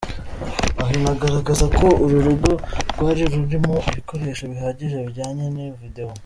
Aho inagaragaza ko uru rugo rwari rurimo ibikoresho bihagije bijyanye na Video.